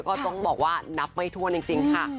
ก็ต้องบอกว่านับไม่ถ้วนจริงค่ะ